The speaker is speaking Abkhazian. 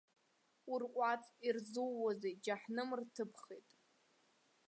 Урҟәаҵ, ирзууазеи џьаҳаным рҭыԥхеит.